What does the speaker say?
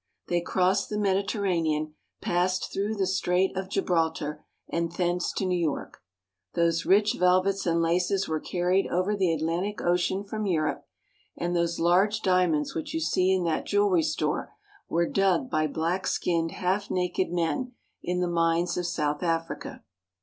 They crossed the Mediterranean, passed through the Strait of Gibraltar, and thence to New York. Those rich velvets and laces were carried over the Atlan tic Ocean from Europe ; and those large diamonds which you see in that jewelry store were dug by black skinned, half naked men in the mines of South Africa.